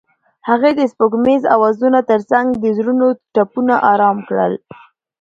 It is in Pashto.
هغې د سپوږمیز اوازونو ترڅنګ د زړونو ټپونه آرام کړل.